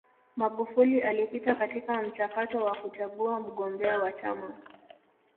magufuli alipita katika mchakato wa kuchagua mgombea wa chama